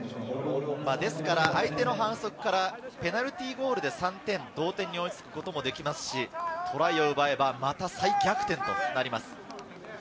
ですから相手の反則からペナルティーゴールで３点、同点に追いつくこともできますし、トライを奪えば、また再逆転となります。